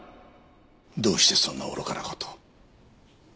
どうしてそんな愚かな事を？